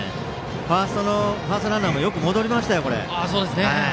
ファーストランナーもよく戻りましたよ。